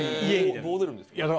どう出るんですか？